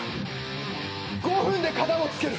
５分で片を付ける。